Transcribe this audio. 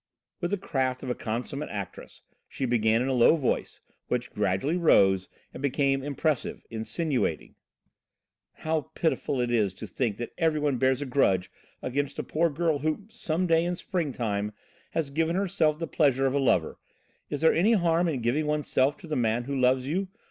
With the craft of a consummate actress, she began in a low voice, which gradually rose and became impressive, insinuating: "How pitiful it is to think that everyone bears a grudge against a poor girl who, some day in springtime, has given herself the pleasure of a lover! Is there any harm in giving oneself to the man who loves you?